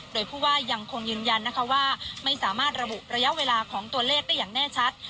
โดยผู้ว่ายังคงยืนยันนะคะว่าไม่สามารถระบุระยะเวลาของตัวเลขได้อย่างแน่ชัด